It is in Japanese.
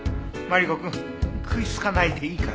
マリコくん食いつかないでいいから。